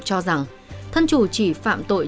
cho rằng thân chủ chỉ phạm tội